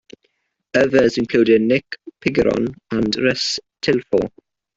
Others included "Nick Pigiron" and "Russ Tilefloor.